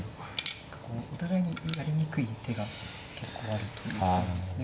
何かこうお互いにやりにくい手が結構あるということなんですね